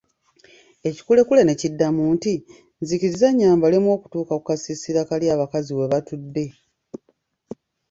Ekikulekule ne kiddamu nti, nzikiriza nnyambalemu okutuuka ku kasiisira kali abakazi we batudde.